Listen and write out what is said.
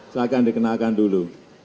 silahkan dikenalkan dulu